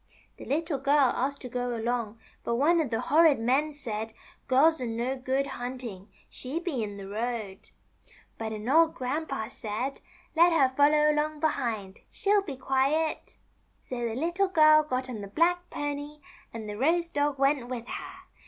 The Little Girl asked to go along, but one of the horrid men said :^ Girls are no good hunting. She'd be in the road.' But an old Grandpa said, 'Let her follow along behind. She'll be quiet.' MARY LEE'S STORY. 319 So the Little Girl got on the black pony, and the Rose dog went with her.